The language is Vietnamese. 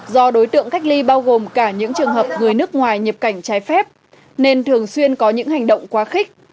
do đối tượng cách ly bao gồm cả những trường hợp người nước ngoài nhập cảnh trái phép nên thường xuyên có những hành động quá khích